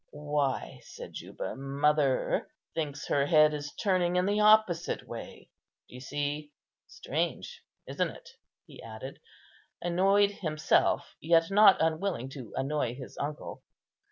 "Why," said Juba, "mother thinks her head is turning in the opposite way. D'you see? Strange, isn't it?" he added, annoyed himself yet not unwilling to annoy his uncle.